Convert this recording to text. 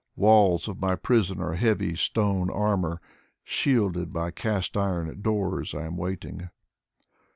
Walls of my prison are heavy stone armor; Shielded by cast iron doors, I am waiting.